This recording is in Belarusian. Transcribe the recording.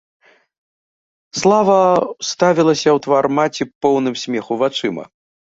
Слава ўставілася ў твар маці поўнымі смеху вачыма.